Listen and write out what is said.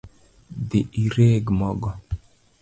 Dhi ireg mogo